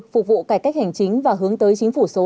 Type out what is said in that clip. phục vụ cải cách hành chính và hướng tới chính phủ số